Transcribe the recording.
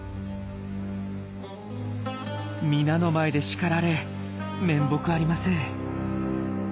皆の前で叱られ面目ありません。